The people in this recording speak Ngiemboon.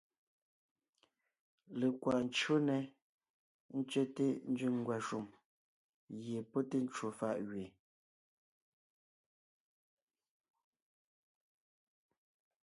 Lekwaʼ ncÿó nɛ́ tsẅɛ́te nzẅìŋ ngwàshùm gie pɔ́ té ncwò fàʼ gẅeen,